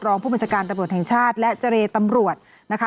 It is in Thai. รองผู้บัญชาการตำรวจแห่งชาติและเจรตำรวจนะคะ